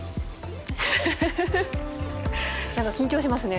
なんか緊張しますね。